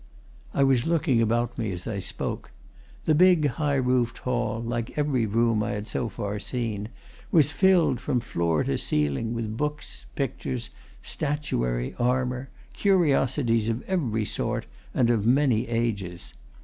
I was looking about me as I spoke. The big, high roofed hall, like every room I had so far seen, was filled from floor to ceiling with books, pictures, statuary, armour, curiosities of every sort and of many ages.